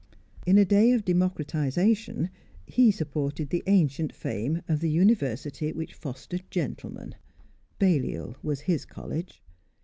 In a day of democratisation, he supported the ancient fame of the University which fostered gentlemen. Balliol was his College.